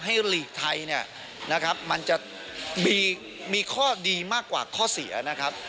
หลีกไทยเนี่ยนะครับมันจะมีข้อดีมากกว่าข้อเสียนะครับ